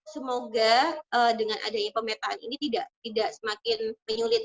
semoga dengan adanya pemetaan ini tidak semakin menyulit